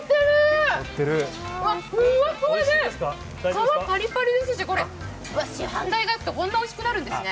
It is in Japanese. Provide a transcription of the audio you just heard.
皮ぱりぱりですし、師範代が焼くとこんなにおいしくなるんですね。